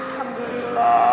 alhamdulillah ya allah